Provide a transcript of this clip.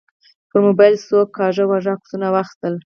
پر موبایل یې څو کاږه واږه عکسونه واخیستل.